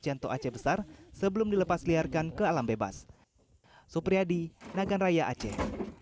jantung aceh besar sebelum dilepasliarkan ke alam bebas supriyadi naganraya aceh